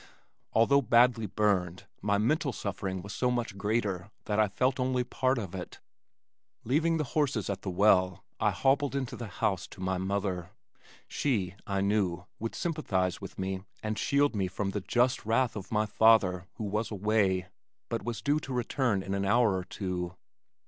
Although badly burned, my mental suffering was so much greater that I felt only part of it. Leaving the horses at the well I hobbled into the house to my mother. She, I knew, would sympathize with me and shield me from the just wrath of my father who was away, but was due to return in an hour or two.